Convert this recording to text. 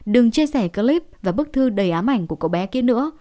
đừng chia sẻ clip và bức thư đầy ám ảnh của cậu bé kia nữa